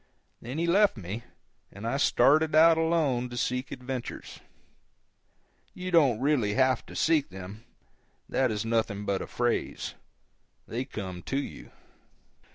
Then he left me, and I started out alone to seek adventures. You don't really have to seek them—that is nothing but a phrase—they come to you.